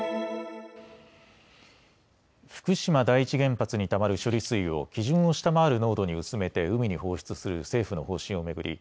福島第一原発にたまる処理水を基準を下回る濃度に薄めて海に放出する政府の方針を巡り